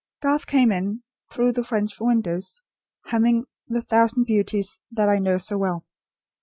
Garth came in, through the French window, humming "The thousand beauties that I know so well."